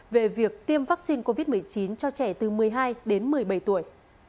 về việc tiêm vaccine covid một mươi chín cho trẻ từ một mươi hai đến một mươi bảy tuổi